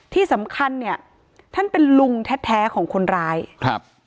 ที่สำคัญเนี่ยท่านเป็นลุงแท้แท้ของคนร้ายครับ